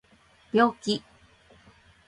病気